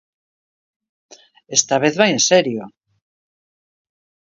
"Esta vez vai en serio".